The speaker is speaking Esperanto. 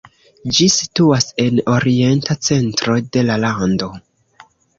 Ĝi situas en orienta centro de la lando.